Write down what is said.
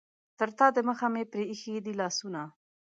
تر تا دمخه مې پرې ایښي دي لاسونه.